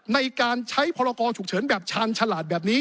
ในการใช้พรกรฉุกเฉินแบบชาญฉลาดแบบนี้